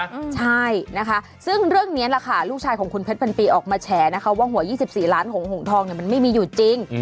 ใช่นะคะซึ่งเรื่องนี้แหละค่ะลูกชายของคุณเพชรพันปีออกมาแฉนะคะว่าหวย๒๔ล้านหงทองเนี่ยมันไม่มีอยู่จริง